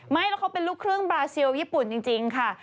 ไม่แล้วเขาเป็นลูกครึ่งบราซิลญี่ปุ่นจริงค่ะ